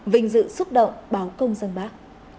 vinh dự xúc động báo công dân bác